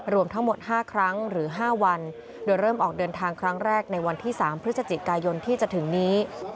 รวมทั้งหมด๕ครั้งหรือ๕วันโดยเริ่มออกเดินทางครั้งแรกในวันที่๓พฤศจิกายนที่จะถึงนี้